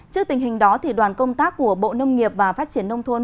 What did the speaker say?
trước tình hình đó đoàn công tác của bộ nông nghiệp và phát triển nông thôn